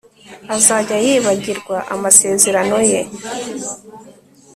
Azajya yibagirwa amasezerano ye